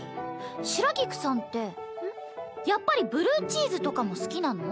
白菊さんってやっぱりブルーチーズとかも好きなの？